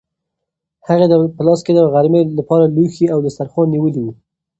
هغې په لاس کې د غرمې لپاره لوښي او دسترخوان نیولي وو.